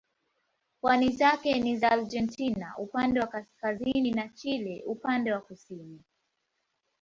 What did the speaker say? Pwani zake ni za Argentina upande wa kaskazini na Chile upande wa kusini.